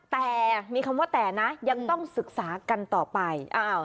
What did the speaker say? แต่มีคำว่าแต่นะยังต้องศึกษากันต่อไป